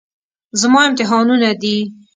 زما امتحانونه دي.